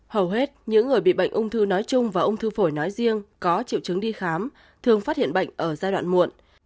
hầu hết những người bị bệnh ung thư nói chung và ung thư phổi nói riêng có triệu chứng đi khám thường phát hiện bệnh ở giai đoạn muộn